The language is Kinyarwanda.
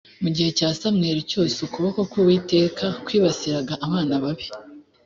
mu gihe cya samweli cyose ukuboko k uwiteka kwibasiraga abana babi